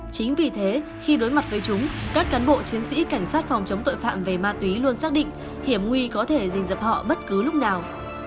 chính vì thế khi đối mặt với chúng các cán bộ chiến sĩ cảnh sát phòng chống tội phạm về ma túy luôn xác định hiểm nguy có thể dình dập họ bất cứ lúc nào